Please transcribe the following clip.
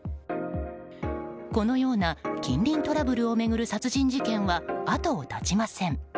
このような近隣トラブルを巡る殺人事件は後を絶ちません。